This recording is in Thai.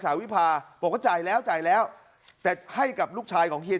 วิพาบอกว่าจ่ายแล้วจ่ายแล้วแต่ให้กับลูกชายของเฮีย